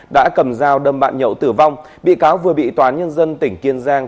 đã cầm dao đâm bạn nhậu tử vong bị cáo vừa bị toán nhân dân tỉnh kiên giang